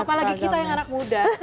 apalagi kita yang anak muda